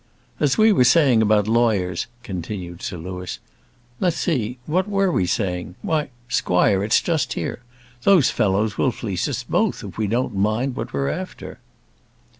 "As we were saying about lawyers," continued Sir Louis. "Let's see, what were we saying? Why, squire, it's just here. Those fellows will fleece us both if we don't mind what we are after."